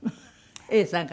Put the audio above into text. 永さんから？